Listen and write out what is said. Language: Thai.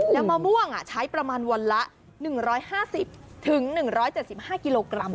แล้วมะม่วงใช้ประมาณวันละ๑๕๐๑๗๕กิโลกรัม